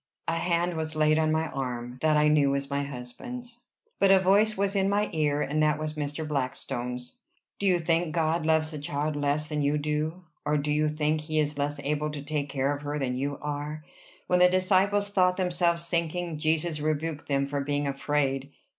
A hand was laid on my arm. That I knew was my husband's. But a voice was in my ear, and that was Mr. Blackstone's. "Do you think God loves the child less than you do? Or do you think he is less able to take care of her than you are? When the disciples thought themselves sinking, Jesus rebuked them for being afraid.